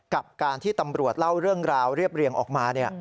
กับการที่ตำรวจเล่าเรื่องราวเรียบเรียงออกมา